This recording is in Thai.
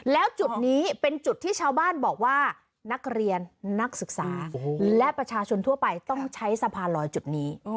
แล้วจุดนี้เป็นจุดที่ชาวบ้านบอกว่านักเรียนนักศึกษาและประชาชนทั่วไปต้องใช้สะพานลอยจุดนี้